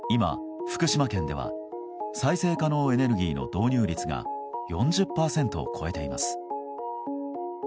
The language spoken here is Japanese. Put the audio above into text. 今、福島県では再生可能エネルギーの導入率が４０％を超えています。